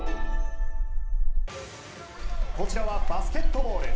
こちらはバスケットボール。